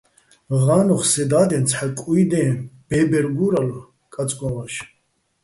ღა́ნოხ სე და́დენ ცჰ̦ა კუ́ჲდეჼ ბე́ბერ გურალო̆ კაწკო́ჼ ვაშ.